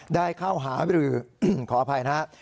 ได้เข้าหาบรือขออภัยนะครับ